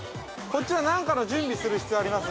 ◆こっちは何かの準備する必要あります？